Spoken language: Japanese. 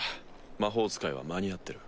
魔法使いは間に合ってる。